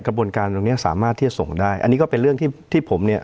กระบวนการตรงเนี้ยสามารถที่จะส่งได้อันนี้ก็เป็นเรื่องที่ที่ผมเนี่ย